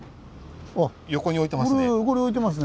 横に置いてますね。